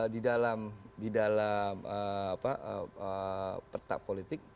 di dalam peta politik